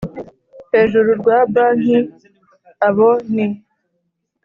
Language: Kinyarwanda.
hejuru rwa banki Abo ni